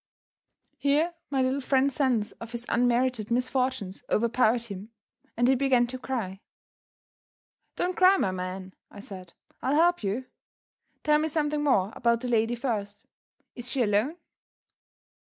Here my little friend's sense of his unmerited misfortunes overpowered him, and he began to cry. "Don't cry, my man!" I said; "I'll help you. Tell me something more about the lady first. Is she alone?"